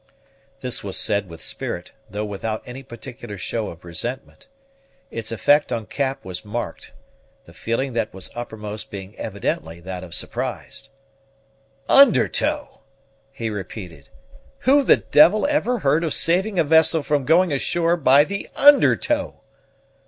This was said with spirit, though without any particular show of resentment. Its effect on Cap was marked, the feeling that was uppermost being evidently that of surprise. "Under tow!" he repeated; "who the devil ever heard of saving a vessel from going ashore by the under tow?"